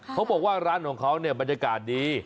เขาบอกว่าร้านของเขาเนี่ยบรรยากาศดี